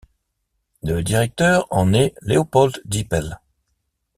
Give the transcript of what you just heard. Le directeur en est Leopold Dippel.